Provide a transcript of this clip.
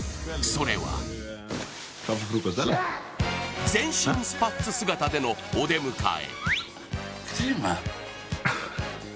それは、全身スパッツ姿でのお出迎え。